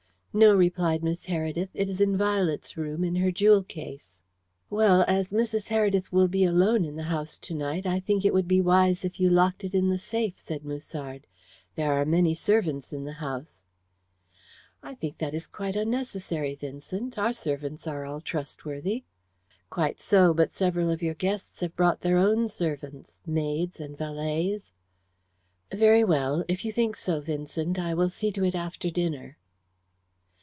"No," replied Miss Heredith. "It is in Violet's room, in her jewel case." "Well, as Mrs. Heredith will be alone in the house to night, I think it would be wise if you locked it in the safe," said Musard. "There are many servants in the house." "I think that is quite unnecessary, Vincent. Our servants are all trustworthy." "Quite so, but several of your guests have brought their own servants maids and valets." "Very well. If you think so, Vincent, I will see to it after dinner."